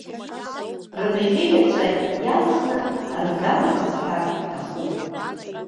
Рыбӷьы иаҵәа иалхны, аргамак сҳәар рҭахуп.